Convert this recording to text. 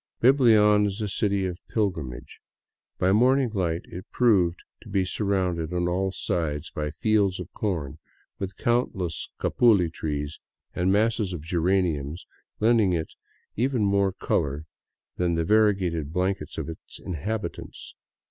Biblian is a city of pilgrimage. By morning light it proved to be surrounded on all sides by fields of corn, with countless capuli trees and masses of geraniums lending it even more color than the varie gated blankets of its inhabitants.